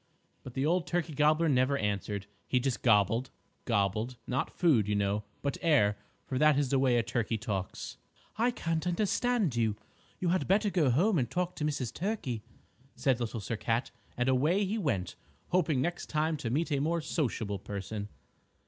But the old Turkey Gobbler never answered. He just gobbled, gobbled, not food, you know, but air, for that is the way a turkey talks. "I can't understand you. You had better go home and talk to Mrs. Turkey," said Little Sir Cat, and away he went, hoping next time to meet a more sociable person.